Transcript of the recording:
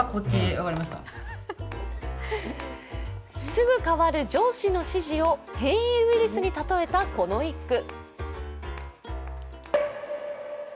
すぐ変わる上司の指示を変異ウイルスに例えたこの一句。